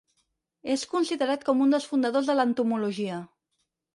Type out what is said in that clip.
És considerat com un dels fundadors de l'entomologia.